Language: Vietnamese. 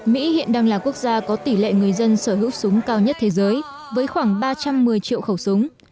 mỹ hiện đang là quốc gia có tỷ lệ người dân sở hữu súng cao nhất thế giới với khoảng ba trăm một mươi triệu khẩu súng